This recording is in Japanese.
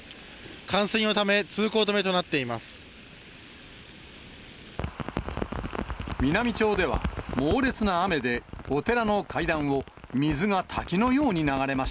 冠水のため、通行止めとなっています。